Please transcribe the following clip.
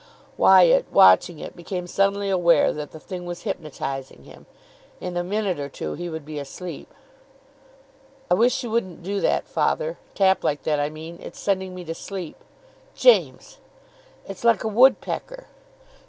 Wyatt, watching it, became suddenly aware that the thing was hypnotising him. In a minute or two he would be asleep. "I wish you wouldn't do that, father. Tap like that, I mean. It's sending me to sleep." "James!" "It's like a woodpecker."